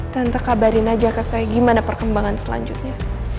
tante kabarin aja ke saya gimana perkembangan selanjutnya